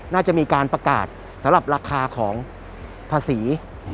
น่าจะมีการประกาศสำหรับราคาของภาษี